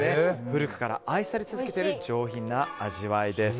古くから愛され続けている上品な味わいです。